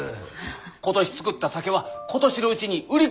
今年造った酒は今年のうちに売り切ったらえい。